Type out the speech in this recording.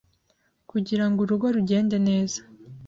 kugirango urugo rugende neza.